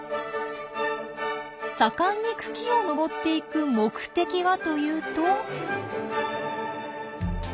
盛んに茎をのぼっていく目的はというと。